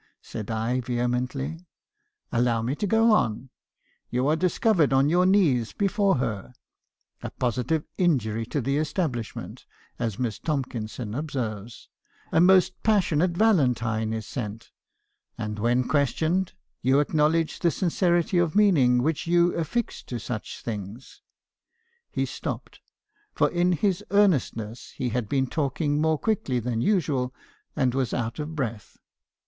said I, vehemently. " 'Allow me to go on. You are discovered on your knees before her, — a positive injury to the establishment, as Miss Tomkinson observes; a most passionate valentine is sent; and when questioned, you acknowledge the sincerity of meaning which you affix to such things,' — he stopped, for in his earnest ness he had been talking more quickly than usual, and was out of breath.